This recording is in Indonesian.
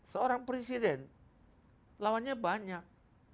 seorang presiden lawannya banyak